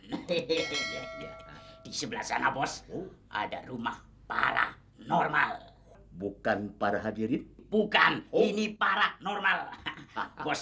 hehehe di sebelah sana bos ada rumah para normal bukan para hadirin bukan ini para normal bos